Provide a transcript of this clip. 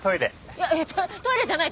いやトイレじゃない。